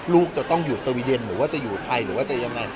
ลูกจะต้องอยู่สวีเดนหรือว่าจะอยู่ไทยหรือว่าจะยังไง